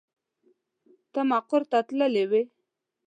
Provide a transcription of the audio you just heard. ته مقر ته تللې وې.